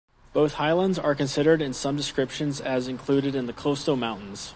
Both highlands are considered in some descriptions as included in the Coast Mountains.